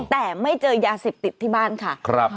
แต่ไม่เจอยาเสพติดที่บ้านค่ะ